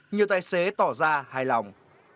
nhiều tài xế tỏ ra hài lòng